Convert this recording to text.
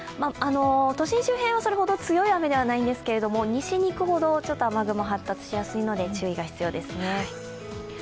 都心周辺はそれほど強い雨ではないんですけれども西に行くほど雨雲が発達しやすいので、注意が必要ですね。